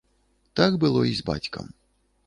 Так было і з бацькам.